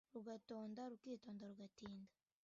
rugatonda rukitonda rugatinda